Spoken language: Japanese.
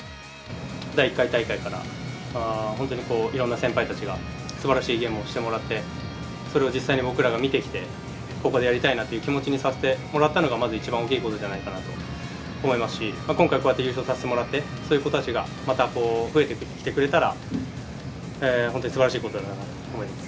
第１回大会から本当にいろんな先輩たちがすばらしいゲームをしてもらって、それを実際に僕らが見てきて、ここでやりたいなという気持ちにさせてもらったのが、まず一番大きいことじゃないかなと思いますし、今回、こうやって優勝させてもらって、そういう子たちがまた増えてきてくれたら、本当にすばらしいことだなと思います。